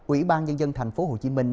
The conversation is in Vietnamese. ủy ban nhân dân thành phố hồ chí minh